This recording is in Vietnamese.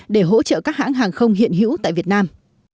để hỗ trợ các hãng hàng không hiện hữu tại việt nam